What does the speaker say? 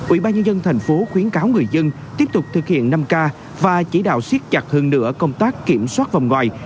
ủy ban nhân dân thành phố khuyến cáo người dân tiếp tục thực hiện năm k và chỉ đạo siết chặt hơn nữa công tác kiểm soát vòng ngoài